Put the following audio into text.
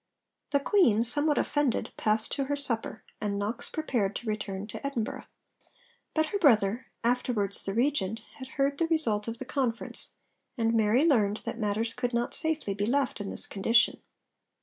The Queen, 'somewhat offended, passed to her supper,' and Knox prepared to return to Edinburgh. But her brother, afterwards the Regent, had heard the result of the conference, and Mary learned that matters could not safely be left in this condition.